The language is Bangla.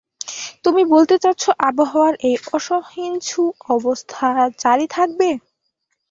তুমি বলতে চাচ্ছো আবহাওয়ার এই অসহিষ্ণু অবস্থা জারী থাকবে?